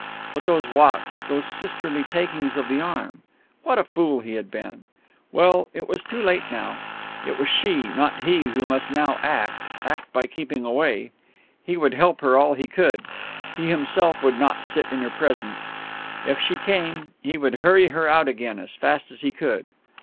But those walks, those sisterly takings of the arm what a fool he had been!... Well, it was too late now. It was she, not he, who must now act act by keeping away. He would help her all he could. He himself would not sit in her presence. If she came, he would hurry her out again as fast as he could....